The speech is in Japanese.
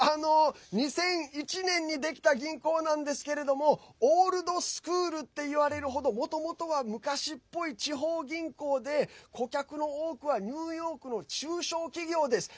２００１年にできた銀行なんですけれどもオールドスクールっていわれる程もともとは昔っぽい地方銀行で顧客の多くはニューヨークの中小企業です。